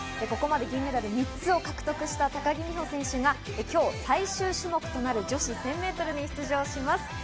ここまで銀メダル３つを獲得した高木美帆選手が今日、最終種目となる女子１０００メートルに出場します。